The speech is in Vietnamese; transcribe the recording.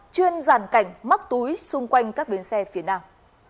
chuyên giàn cảnh móc túi xung quanh các bến xe phía nam